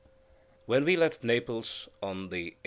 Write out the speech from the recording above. When we left Naples on the 8.